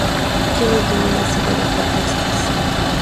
tiene ya una serie de propuestas